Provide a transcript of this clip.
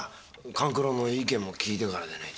勘九郎の意見も聞いてからでないと。